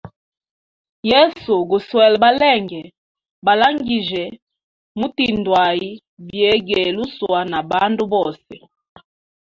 Yesu guswele balenge, balangijye mutindwʼayi byegaluswa na bandu bose.